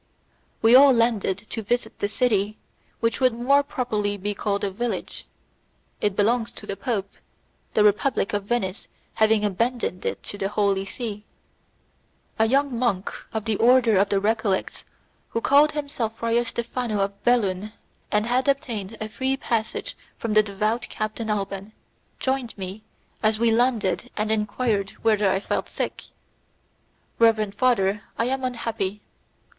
We all landed to visit the city, which would more properly be called a village. It belongs to the Pope, the Republic of Venice having abandoned it to the Holy See. A young monk of the order of the Recollects who called himself Friar Stephano of Belun, and had obtained a free passage from the devout Captain Alban, joined me as we landed and enquired whether I felt sick. "Reverend father, I am unhappy."